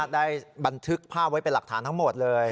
ได้บันทึกภาพไว้เป็นหลักฐานทั้งหมดเลย